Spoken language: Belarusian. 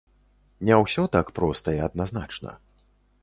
Не ўсё так проста і адназначна.